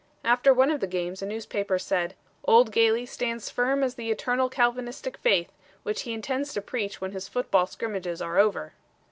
After one of the games a newspaper said: "Old Gailey stands firm as the Eternal Calvinistic Faith, which he intends to preach when his football scrimmages are over."